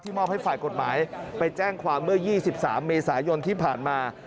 มอบให้ฝ่ายกฎหมายไปแจ้งความเมื่อ๒๓เมษายนที่ผ่านมา